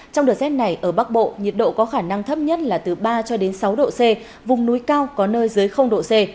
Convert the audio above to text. trong đợt rét này ở bắc bộ nhiệt độ có khả năng thấp nhất là từ ba cho đến sáu độ c vùng núi cao có nơi dưới độ c